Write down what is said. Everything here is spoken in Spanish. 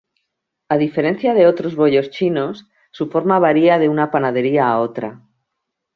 A diferencia de otros bollos chinos, su forma varía de una panadería a otra.